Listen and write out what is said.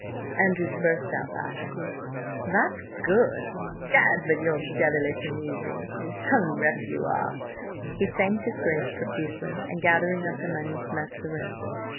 Andrew burst out laughing. "That's good! Gad! but you're devilish amusing, 'pon rep. you are!" He thanked his Grace profusely and gathering up the money, left the room.